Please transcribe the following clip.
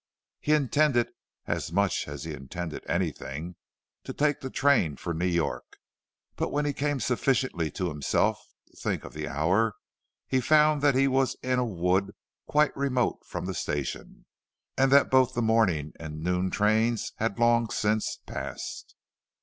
He intended, as much as he intended anything, to take the train for New York, but when he came sufficiently to himself to think of the hour, he found that he was in a wood quite remote from the station, and that both the morning and noon trains had long since passed.